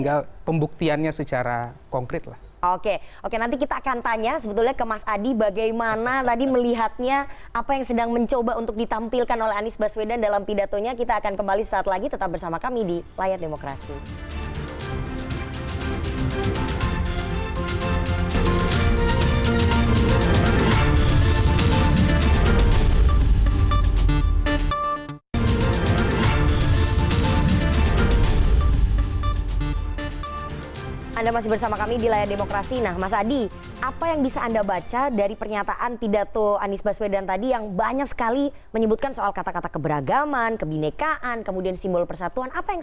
apapun itu artinya